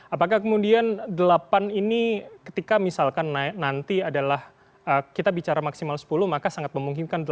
apakah kemudian delapan ini ketika misalkan nanti adalah kita bicara maksimal sepuluh maka sangat memungkinkan